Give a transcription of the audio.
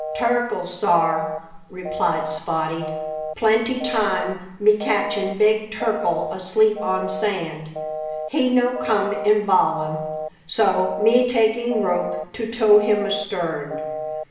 "Turkle, sar," replied Spottie. "Plenty time me catching big turkle asleep on sand. He no come in ballam, so me taking rope to tow him astern.